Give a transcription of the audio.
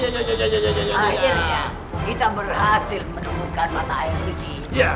akhirnya kita berhasil menemukan mata air suci